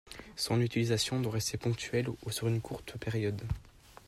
Son utilisation doit rester ponctuelle ou sur une courte période.